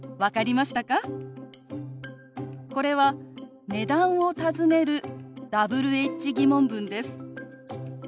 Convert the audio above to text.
これは値段を尋ねるＷｈ−疑問文です。